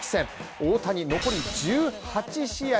大谷、残り１８試合。